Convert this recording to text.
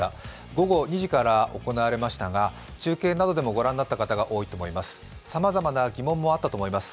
午後２時から行われましたが中継などでもご覧になった方が多いと思います。